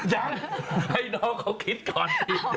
ยังให้น้องเขาคิดก่อน